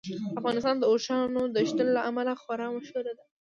افغانستان د اوښانو د شتون له امله خورا مشهور دی.